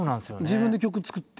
自分で曲作って。